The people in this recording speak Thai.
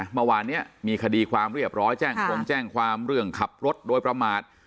เมื่อวานนี้มีคดีความเรียบร้อยแจ้งคงแจ้งความเรื่องขับรถโดยประมาท